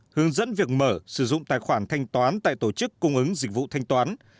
hướng dẫn việc mở sử dụng tài khoản thanh toán tại tổ chức cung ứng dịch vụ thanh toán